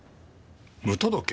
無届け？